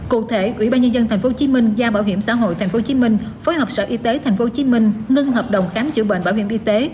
cụ thể ủy ban nhân dân tp hcm giao bảo hiểm xã hội tp hcm phối hợp sở y tế tp hcm ngưng hợp đồng khám chữa bệnh bảo hiểm y tế